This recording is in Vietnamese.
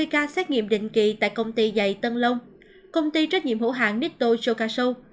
ba mươi ca xét nghiệm định kỳ tại công ty dày tân lông công ty trách nhiệm hữu hạng nitto shokasho